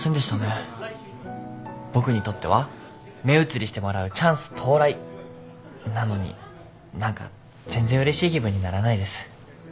僕にとっては目移りしてもらうチャンス到来なのに何か全然うれしい気分にならないです。